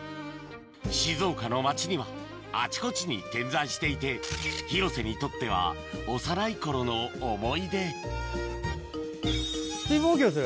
静岡の町にはあちこちに点在していて広瀬にとっては幼い頃の思い出水分補給する？